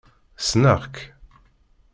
Ssneɣ-k.